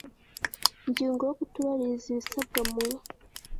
Ingingo ya Kutubahiriza ibisabwa mu